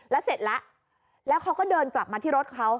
แล้วเสร็จแล้วแล้วเขาก็เดินกลับมาที่รถเขา